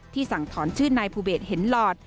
สั่งถอนชื่อนายภูเบศเห็นหลอด